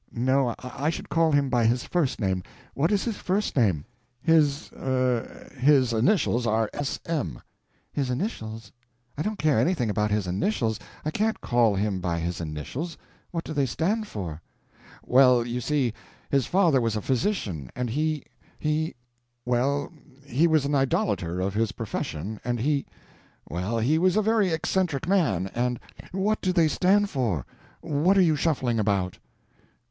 No, I should call him by his first name. What is his first name?" "His—er—his initials are S. M." "His initials? I don't care anything about his initials. I can't call him by his initials. What do they stand for?" "Well, you see, his father was a physician, and he—he—well he was an idolater of his profession, and he—well, he was a very eccentric man, and—" "What do they stand for! What are you shuffling about?"